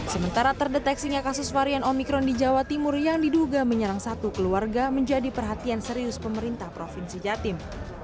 sementara terdeteksinya kasus varian omikron di jawa timur yang diduga menyerang satu keluarga menjadi perhatian serius pemerintah provinsi jatim